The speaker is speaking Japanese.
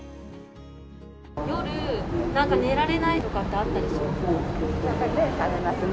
夜、なんか寝られないとかってあったりします？